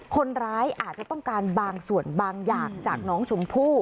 คนร้ายอาจจะต้องการบางส่วนบางอย่างจากน้องชมพู่